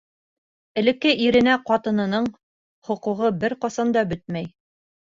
Элекке иренә ҡатынының хоҡуғы бер ҡасан да бөтмәй!